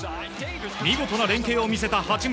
見事な連係を見せた八村。